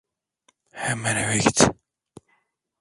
Hemen eve git.